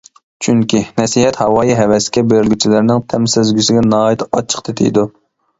چۈنكى، نەسىھەت ھاۋايى-ھەۋەسكە بېرىلگۈچىلەرنىڭ تەم سەزگۈسىگە ناھايىتى ئاچچىق تېتىيدۇ.